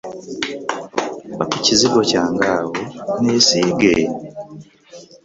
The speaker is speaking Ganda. Mpa ku kizigo kyange awo nneesiige.